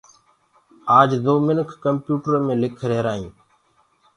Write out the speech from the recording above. آج دو منک ڪمپيوٽرو مي لک ريهرآئينٚ